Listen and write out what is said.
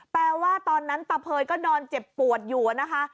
แปลว่าตอนนั้นตะเภยก็นอนเจ็บปวดอยู่นะคะ